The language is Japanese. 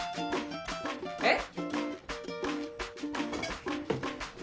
えっ？